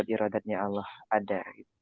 irodatnya allah ada